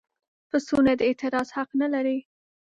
پسونه د اعتراض حق نه لري.